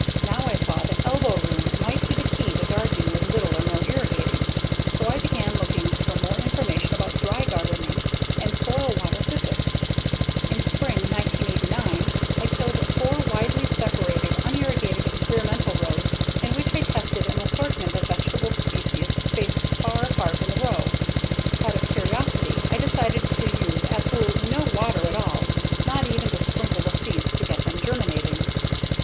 Now I saw that elbow room might be the key to gardening with little or no irrigating, so I began looking for more information about dry gardening and soil/water physics. In spring 1989, I tilled four widely separated, unirrigated experimental rows in which I tested an assortment of vegetable species spaced far apart in the row. Out of curiosity I decided to use absolutely no water at all, not even to sprinkle the seeds to get them germinating.